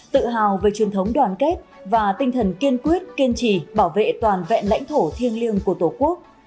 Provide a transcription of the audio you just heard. tự hào về truyền thống đoàn kết và tinh thần kiên quyết kiên trì bảo vệ toàn vẹn lãnh thổ thiêng liêng của tổ quốc